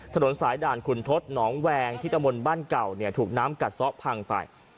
ถนนสายด่านขุนทศหนองแวงที่ตะมนต์บ้านเก่าเนี่ยถูกน้ำกัดซ้อพังไป